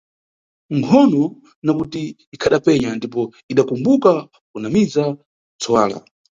Nkhono, nakuti ikhadapenya, ndipo idakumbuka kunamiza ntsuwala.